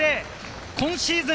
今シーズン